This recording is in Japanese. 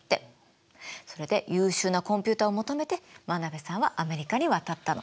それで優秀なコンピューターを求めて真鍋さんはアメリカに渡ったの。